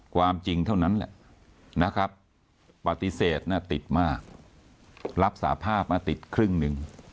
ความจริงเท่านั้นแหละนะครับปฏิเสธติดมากรับสาภาพมาติดครึ่งหนึ่ง